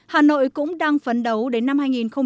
hà nội cũng đang phấn đấu đến năm hai nghìn ba mươi